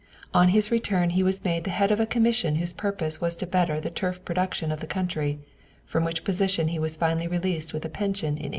On his return he was made the head of a commission whose purpose was to better the turf production of the country, from which position he was finally released with a pension in 1876.